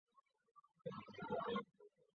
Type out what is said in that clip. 在美国已经不再使用此抗生素。